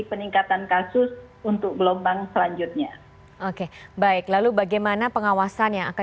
peningkatan kasus untuk gelombang selanjutnya oke baik lalu bagaimana pengawasan yang akan